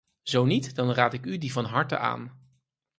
Zo niet, dan raad ik u die van harte aan.